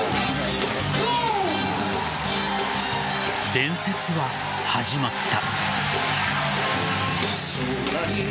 伝説は始まった。